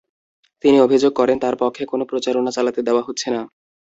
তিনি অভিযোগ করেন, তাঁর পক্ষে কোনো প্রচারণা চালাতে দেওয়া হচ্ছে না।